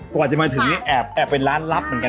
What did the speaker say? กว่าจะมาถึงเนี่ยแอบเป็นร้านลับเหมือนกัน